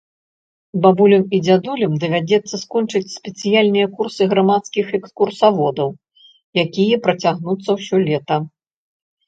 Бабулям і дзядулям давядзецца скончыць спецыяльныя курсы грамадскіх экскурсаводаў, якія працягнуцца ўсё лета.